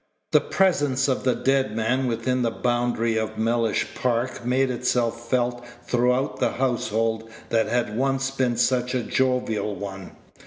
The presence of the dead man within the boundary of Mellish Park made itself felt throughout the household that had once been such a jovial one.